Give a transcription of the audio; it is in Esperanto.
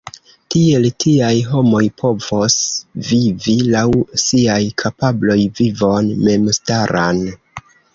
Tiel tiaj homoj povos vivi laŭ siaj kapabloj vivon memstaran.